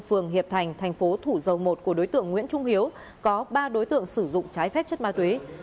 phường hiệp thành thành phố thủ dầu một của đối tượng nguyễn trung hiếu có ba đối tượng sử dụng trái phép chất ma túy